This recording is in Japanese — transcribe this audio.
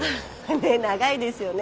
ねっ長いですよね。